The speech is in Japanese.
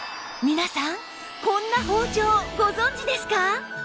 皆さんこんな包丁ご存じですか？